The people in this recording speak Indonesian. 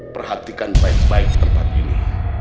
perhatikan baik baik tempat ini